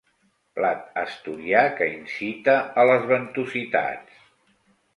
Plat asturià que incita a les ventositats.